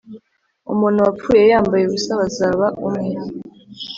umuntu wapfuye yambaye ubusa bazaba umwe